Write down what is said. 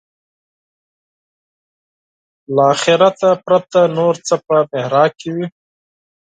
له آخرته پرته نور څه په محراق کې وي.